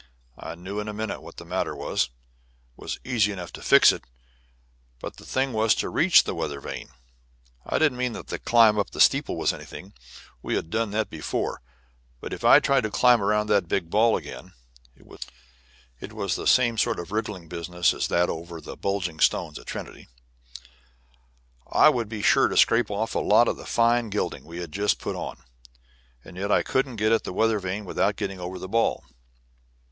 I knew in a minute what the matter was; it was easy enough to fix it, but the thing was to reach the weather vane. I don't mean that the climb up the steeple was anything; we had done that before; but if I tried to climb around that big ball again (it was the same sort of a wriggling business as that over the bulging stones at Trinity) I would be sure to scrape off a lot of the fine gilding we had just put on. And yet I couldn't get at the weather vane without getting over the ball.